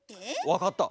わかった。